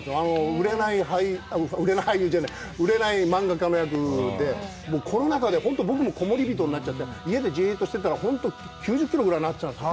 売れない俳優売れない俳優じゃない、売れない漫画家の役で、コロナ禍で、僕もこもり人になっちゃって、家でじっとしてたら、本当に９０キロぐらいになって。